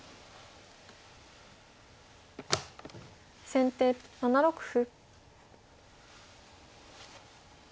先手７六歩。